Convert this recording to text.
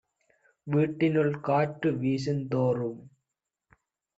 வீட்டினுள் காற்று வீசுந் தோறும்